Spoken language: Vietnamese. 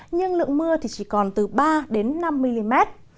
nhưng lượng mưa thì chỉ còn từ ba đến năm mm